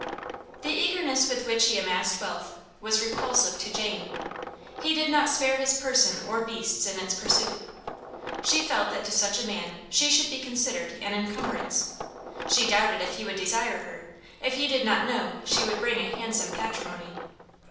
The eagerness with which he amassed wealth, was repulsive to Jane; he did not spare his person or beasts in its pursuit. She felt that to such a man she should be considered an incumbrance; she doubted if he would desire her, if he did not know she would bring a handsome patrimony.